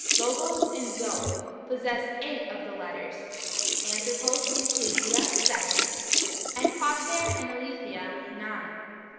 Logos and Zoe possess eight [of these letters] ; Anthropos and Ecclesia seven ; and Pater and Aletheia nine.